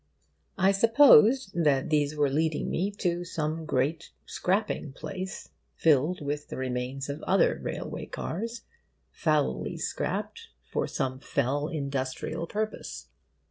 I supposed that these were leading me to some great scrapping place filled with the remains of other railway cars foully scrapped for some fell industrial purpose.